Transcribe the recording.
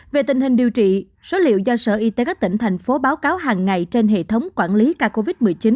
về tình hình điều trị số liệu do sở y tế các tỉnh thành phố báo cáo hàng ngày trên hệ thống quản lý ca covid một mươi chín